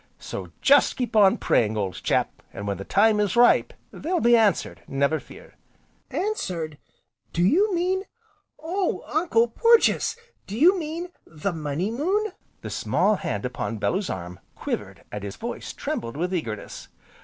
So just keep on praying, old chap, and when the time is ripe, they'll be answered, never fear." "Answered? Do you mean, oh Uncle Porges! do you mean the Money Moon?" The small hand upon Bellew's arm, quivered, and his voice trembled with eagerness.